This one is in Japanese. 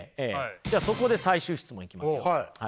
じゃあそこで最終質問いきますよはい。